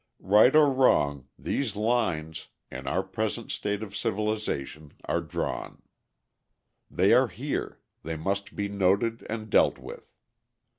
Right or wrong, these lines, in our present state of civilisation, are drawn. They are here; they must be noted and dealt with.